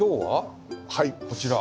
はい。